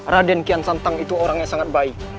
raden kian santang itu orang yang sangat baik